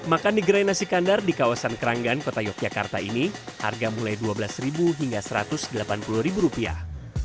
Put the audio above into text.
makan di gerai nasi kandar di kawasan keranggan kota yogyakarta ini harga mulai dua belas hingga satu ratus delapan puluh rupiah